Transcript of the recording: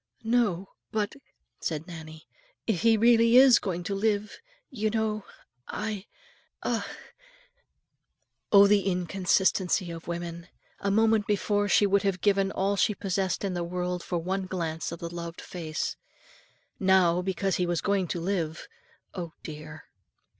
"No, but," said Nannie, "if he really is going to live, you know, I a " Oh the inconsistency of women! A moment before, and she would have given all she possessed in the world for one glance of the loved face; now, because he was going to live, oh, dear!